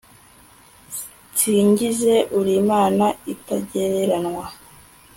nsingize uri imana itagereranywa